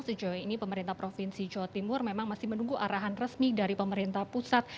sejauh ini pemerintah provinsi jawa timur memang masih menunggu arahan resmi dari pemerintah pusat